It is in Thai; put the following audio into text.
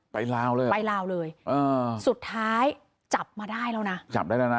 ไปลาวเลยหรอไปลาวเลยสุดท้ายจับมาได้แล้วนะ